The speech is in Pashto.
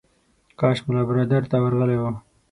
کاش ملا برادر ته ورغلی و.